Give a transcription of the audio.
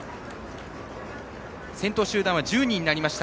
先頭集団は１０人になりました。